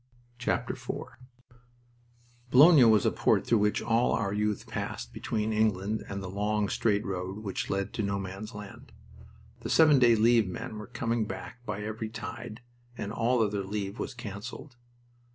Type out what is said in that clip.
IV Boulogne was a port through which all our youth passed between England and the long, straight road which led to No Man's Land. The seven day leave men were coming back by every tide, and all other leave was canceled.